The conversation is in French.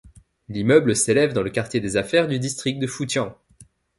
L'immeuble s'élève dans le quartier des affaires du district de Futian.